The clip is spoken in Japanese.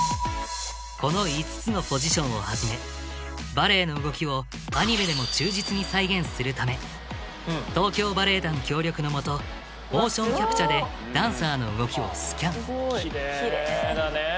この５つのポジションをはじめバレエの動きをアニメでも忠実に再現するため東京バレエ団協力の下モーションキャプチャーでダンサーの動きをスキャン綺麗だね。